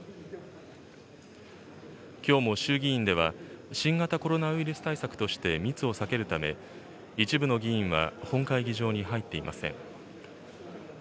きょうも衆議院では、新型コロナウイルス対策として密を避けるため、一部の議員は本会議場に入っていません。